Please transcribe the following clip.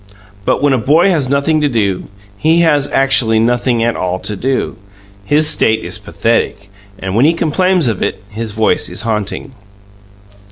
But when a boy has nothing to do, he has actually nothing at all to do; his state is pathetic, and when he complains of it his voice is haunting.